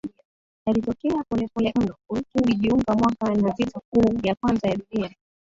yalitokea polepole mno Urusi ulijiunga mwaka na vita kuu ya kwanza ya dunia